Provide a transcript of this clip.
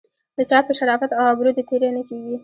د چا په شرافت او ابرو دې تېری نه کیږي.